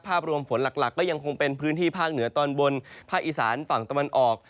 ภาพรวมฝนหลักก็ยังคงเป็นพื้นที่ภาคเหนือตอนบนภาคอีสานฝั่งตะวันออก